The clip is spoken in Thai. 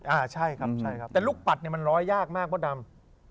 อ่าใช่ครับแต่ลูกปัดเนี่ยมันร้อยยากมากเพราะดำ